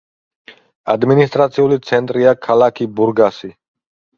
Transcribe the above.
ადმინისტრაციული ცენტრია ქალაქი ბურგასი.